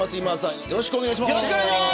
よろしくお願いします。